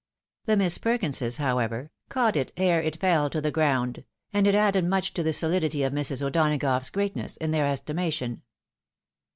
The Miss Perkinses, however, " caught it ere it fell to the ground," and it added much to the soUdity of Mrs. O'Dona gough's greatness in their estimation.